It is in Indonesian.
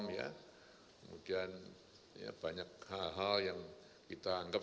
kemudian banyak hal hal yang kita anggap